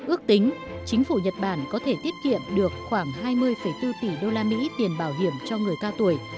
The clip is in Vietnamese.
ước tính chính phủ nhật bản có thể tiết kiệm được khoảng hai mươi bốn tỷ đô la mỹ tiền bảo hiểm cho người cao tuổi